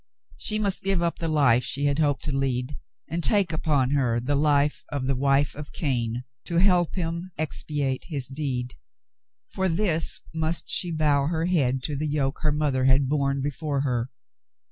She must give up the life she had hoped to lead and take upon her the life of the wife of Cain, to help him expiate his deed. For this must she bow her head to the yoke her mother had borne before her.